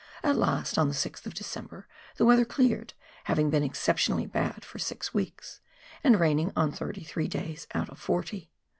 At last, on the 6th of December, the weather cleared, having been exceptionally bad for six weeks, and raining on thirty three days out of forty.